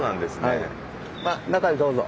まあ中へどうぞ！